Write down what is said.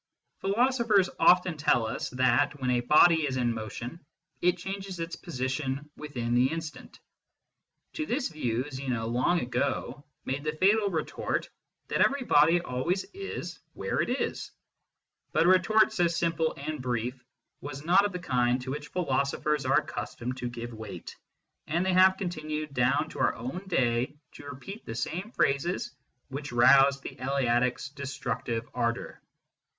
Philosophers often tell us that when a body is in motion, it changes its position within the instant. To this view Zeno long ago made the fatal retort that every body always is where it is$ but a retort so simple and brief was not of the kind to which philosophers are accus tomed to give weight, and they have continued down to our own day to repeat the same phrases which roused the Eleatic s destructive ardour.